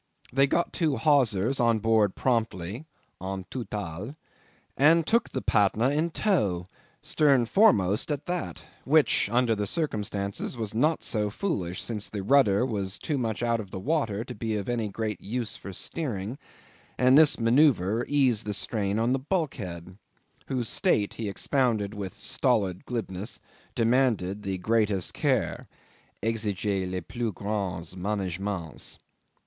They got two hawsers on board promptly (en toute hale) and took the Patna in tow stern foremost at that which, under the circumstances, was not so foolish, since the rudder was too much out of the water to be of any great use for steering, and this manoeuvre eased the strain on the bulkhead, whose state, he expounded with stolid glibness, demanded the greatest care (exigeait les plus grands menagements).